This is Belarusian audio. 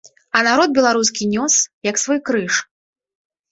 А народ беларускі нёс, як свой крыж.